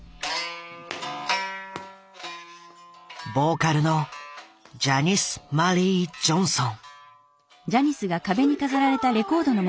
ボーカルのジャニス・マリー・ジョンソン。